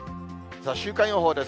週間予報です。